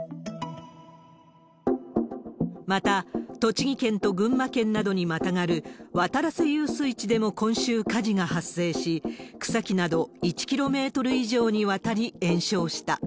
また、栃木県と群馬県などにまたがる渡良瀬遊水地でも今週火事が発生し、草木など、１キロメートル以上にわたり延焼した。